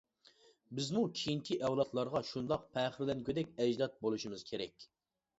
بىزمۇ كېيىنكى ئەۋلادلارغا شۇنداق پەخىرلەنگۈدەك ئەجداد بولۇشىمىز كېرەك!